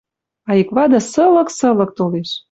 А ик вады сылык, сылык толеш